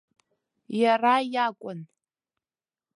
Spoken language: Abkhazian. Иара иакәын.